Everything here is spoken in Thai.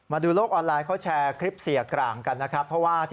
มาดูโลกออนไลน์เขาแชร์คลิปเสียกลางกันนะครับ